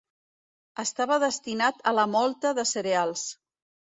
Estava destinat a la mòlta de cereals.